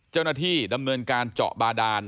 เจ้าหน้าที่ดำเนินการเจาะบาดาน